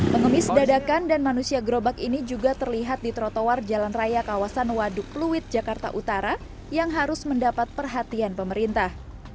pengemis dadakan dan manusia gerobak ini juga terlihat di trotoar jalan raya kawasan waduk pluit jakarta utara yang harus mendapat perhatian pemerintah